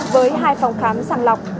với hai phòng khám sàng lọc